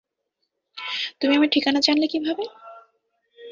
তুমি আমার ঠিকানা জানলে কীভাবে?